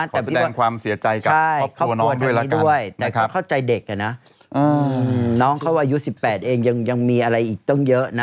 ขอแสดงความเสียใจกับครอบครัวน้องด้วยละกันแต่เข้าใจเด็กอะนะน้องเขาอายุ๑๘เองยังมีอะไรอีกเยอะนะ